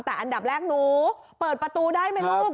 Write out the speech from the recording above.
แต่อันดับแรกหนูเปิดประตูได้ไหมลูก